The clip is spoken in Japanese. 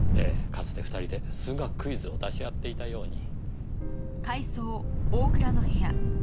かつて２人で数学クイズを出し合っていたように。